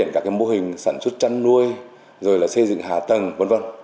các mô hình sản xuất trăn nuôi rồi là xây dựng hà tầng v v